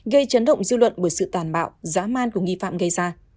gây chấn động dư luận bởi sự tàn bạo giá man của nghi phạm gây ra